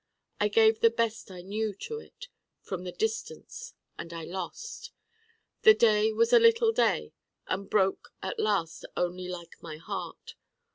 I gave the best I knew to it, from the distance, and I lost. The day was a little day and broke at last only like my Heart.